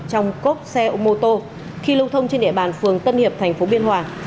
trong cốc xe ôm mô tô khi lưu thông trên địa bàn phường tân hiệp tp biên hòa